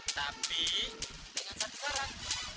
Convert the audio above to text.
tapi dengan satu saran